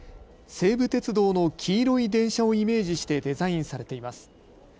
西武鉄道の黄色い電車をイメージしてデザインされています。